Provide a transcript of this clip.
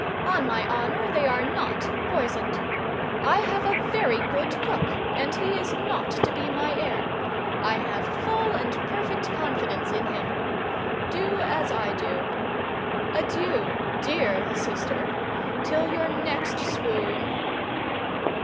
On my honor, they are not poisoned. I have a very good cook, and he is not to be my heir; I have full and perfect confidence in him. Do as I do. Adieu, dear sister, till your next swoon!"